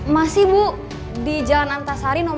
masih bu di jalan antasari nomor satu ratus satu